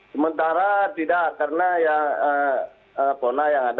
sementara tidak karena yang pona yang ada